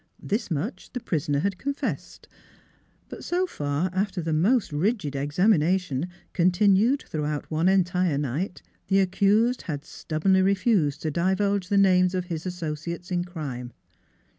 This much the pris oner had confessed. But so far, after the most rigid examination, continued throughout one en tire night, the accused had stubbornly refused to divulge the names of his associates in crime.